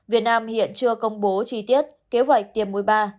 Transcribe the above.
việt nam hiện chưa công bố chi tiết kế hoạch tiêm moi ba